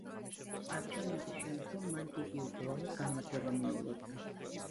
არჩევნების შემდგომ მან გიგი უგულავას გამარჯვება მიულოცა.